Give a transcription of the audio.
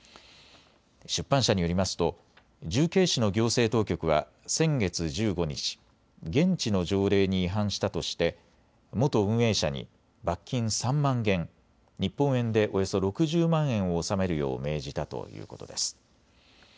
出版社によりますと重慶市の行政当局は先月１５日、現地の条例に違反したとして元運営者に罰金３万元、日本円でおよそ６０万円を納めるよう命じたということです。